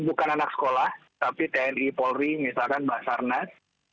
bukan anak sekolah tapi tni polri misalkan basarnas